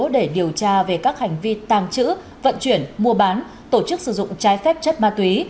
để điều tra về các hành vi tàng trữ vận chuyển mua bán tổ chức sử dụng trái phép chất ma túy